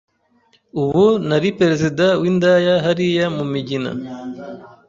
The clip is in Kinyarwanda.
ubu nari perezida w’indaya hariya mu migina